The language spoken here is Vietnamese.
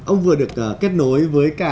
ông vừa được kết nối với cả